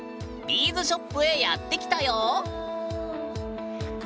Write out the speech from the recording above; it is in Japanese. ビーズショップへやって来たよ。